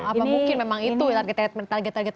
apa mungkin memang itu target targetnya mereka gitu ya